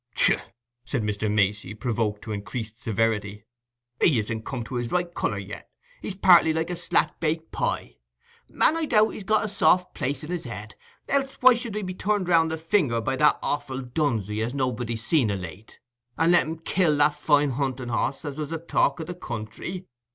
"Tchuh!" said Mr. Macey, provoked to increased severity, "he isn't come to his right colour yet: he's partly like a slack baked pie. And I doubt he's got a soft place in his head, else why should he be turned round the finger by that offal Dunsey as nobody's seen o' late, and let him kill that fine hunting hoss as was the talk o' the country?